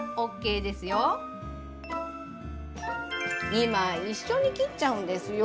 ２枚一緒に切っちゃうんですよ。